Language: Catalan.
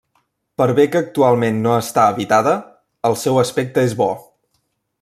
Per bé que actualment no està habitada, al seu aspecte és bo.